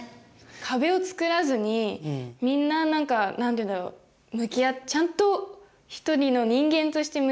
壁を作らずにみんな何か何ていうんだろうちゃんといい方向にいくのかなとは思いました。